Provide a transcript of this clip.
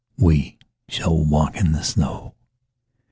We shall walk in the snow.